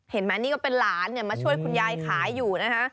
เห็นไหมนี่ก็เป็นหลานมาช่วยคุณยายขายอยู่นะคะ